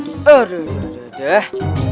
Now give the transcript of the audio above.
aduh aduh aduh aduh